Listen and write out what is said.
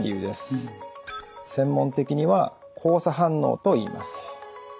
専門的には交差反応といいます。